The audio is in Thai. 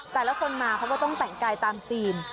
แต่ละคนมาเขาก็ต้องแต่งกายตามจีน